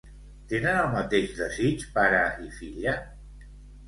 Tenen el mateix desig, pare i filla?